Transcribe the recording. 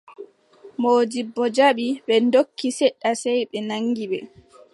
Moodibbo jaɓi, ɓe ndokki, seɗɗa sey ɓe naŋgi ɓe.